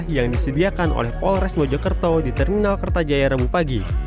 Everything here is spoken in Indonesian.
yang disediakan oleh polres mojokerto di terminal kertajaya rabu pagi